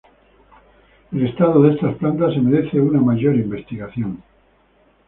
El estado de estas plantas se merece una mayor investigación.